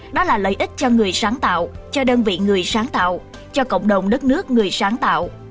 đó là lợi ích cho người sáng tạo cho đơn vị người sáng tạo cho cộng đồng đất nước người sáng tạo